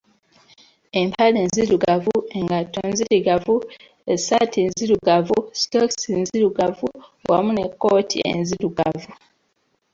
Empale nzirugavu, engatto nzirugavu, essaati nzirugavu, sitookisi nzirugavu wamu n'ekkooti enzirugavu.